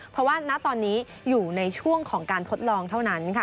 เพราะว่าณตอนนี้อยู่ในช่วงของการทดลองเท่านั้นค่ะ